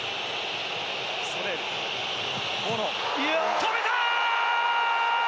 止めた！